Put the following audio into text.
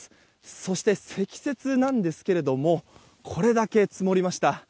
そして、積雪なんですがこれだけ積もりました。